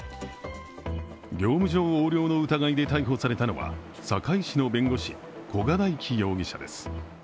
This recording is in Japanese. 業務上横領の疑いで逮捕されたのは堺市の弁護士、古賀大樹容疑者です